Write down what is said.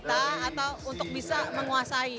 atau untuk bisa menguasai